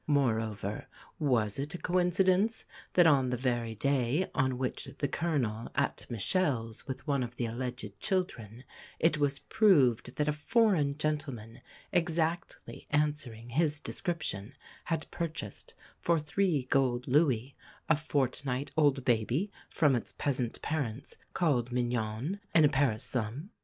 Moreover, was it a coincidence that on the very day on which the Colonel at Michele's with one of the alleged children, it was proved that a "foreign gentleman," exactly answering his description, had purchased, for three gold louis, a fortnight old baby from its peasant parents, called Mignon, in a Paris slum?